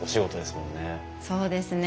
そうですね。